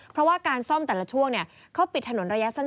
เพราะว่าการซ่อมแต่ละช่วงเขาปิดถนนระยะสั้น